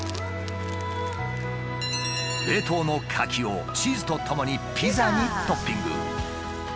冷凍の柿をチーズとともにピザにトッピング。